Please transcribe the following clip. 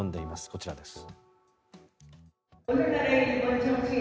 こちらです。